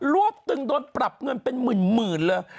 วบตึงโดนปรับเงินเป็นหมื่นเลย